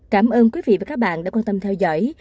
cảm ơn quý vị và các bạn đã quan tâm theo dõi